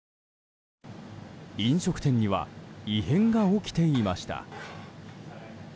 飲食店には異変が起きていました。